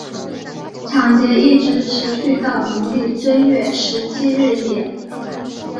抢劫一直持续到农历正月十七日夜。